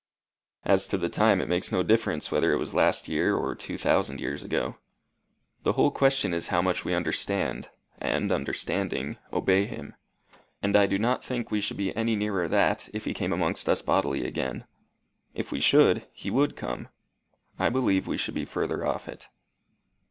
"As to the time, it makes no difference whether it was last year or two thousand years ago. The whole question is how much we understand, and understanding, obey him. And I do not think we should be any nearer that if he came amongst us bodily again. If we should, he would come. I believe we should be further off it."